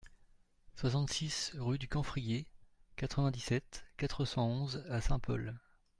soixante-six rue du Camphrier, quatre-vingt-dix-sept, quatre cent onze à Saint-Paul